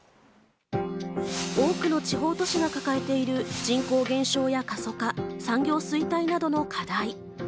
多くの地方都市が抱えている人口減少や過疎化、産業衰退などの課題。